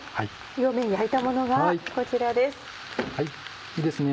両面焼いたものがこちらです。